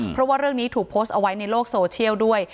เพราะว่าเรื่องนี้ถูกโพสต์เอาไว้ในโลกโซเชียลด้วย